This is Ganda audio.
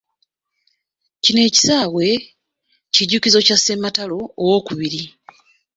Kino ekisaawe, kijjukizo kya ssematalo owookubiri.